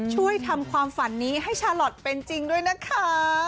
ช่วยทำความฝันนี้ให้ชาลอทเป็นจริงด้วยนะคะ